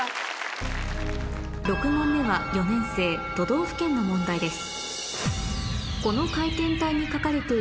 ６問目は４年生都道府県の問題です